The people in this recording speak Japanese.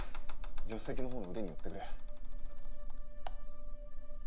助手席の方の腕に寄ってくれ。